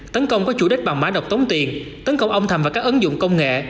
tấn công có chủ đích bằng mã độc tống tiền tấn công ông thầm vào các ứng dụng công nghệ